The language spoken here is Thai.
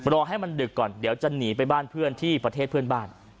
รอให้มันดึกก่อนเดี๋ยวจะหนีไปบ้านเพื่อนที่ประเทศเพื่อนบ้าน